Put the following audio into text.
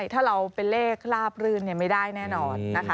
ถ้าเราเป็นเลขลาบรื่นไม่ได้แน่นอนนะคะ